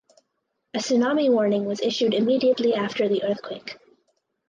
A tsunami warning was issued immediately after the earthquake.